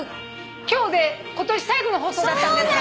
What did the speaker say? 今日で今年最後の放送だったんですよ。